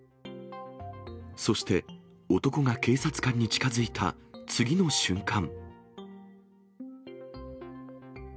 そして、男が警察官に近づいた、次の瞬間。